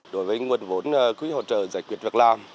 đối với nguồn vốn quý hỗ trợ giải quyết việc làm